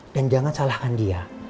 dan jangan salahkan dia